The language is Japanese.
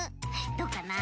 どうかな？